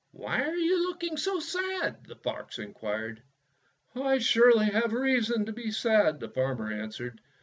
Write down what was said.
'' Why are you looking so sad?" the fox inquired. ''I surely have reason enough to be sad," the farmer answered.